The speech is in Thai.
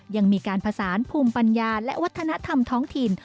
ยังมีการผสานภูมิปัญญาและวัฒนธรรมท้องถิ่น